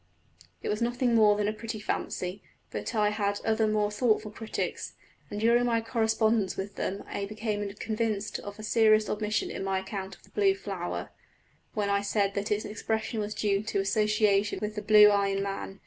It was nothing more than a pretty fancy; but I had other more thoughtful critics, and during my correspondence with them I became convinced of a serious omission in my account of the blue flower, when I said that its expression was due to association with the blue eye in man.